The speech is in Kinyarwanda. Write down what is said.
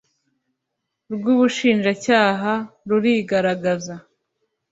rw ubushinjacyaha rurigaragaza